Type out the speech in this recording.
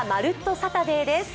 サタデー」です。